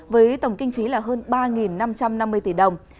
với tổng kinh phí là hơn ba năm trăm năm mươi tỷ đồng